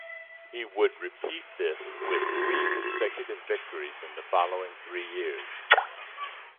He would repeat this with three consecutive victories in the following three years.